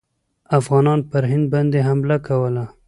افغانانو پر هند باندي حمله کوله.